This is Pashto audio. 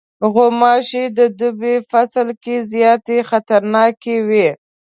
غوماشې د دوبی فصل کې زیاته خطرناکې وي.